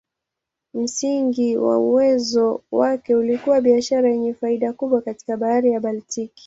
Msingi wa uwezo wake ulikuwa biashara yenye faida kubwa katika Bahari ya Baltiki.